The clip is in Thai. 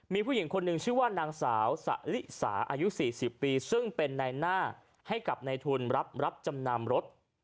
มีผู้หญิงคนหนึ่งชื่อว่านางสาวสะลิสาอายุ๔๐ปีซึ่งเป็นในหน้าให้กับในทุนรับจำนำรถ